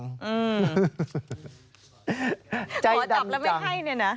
ขอจับแล้วไม่ให้เนี่ยนะ